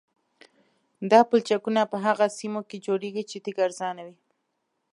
دا پلچکونه په هغه سیمو کې جوړیږي چې تیږه ارزانه وي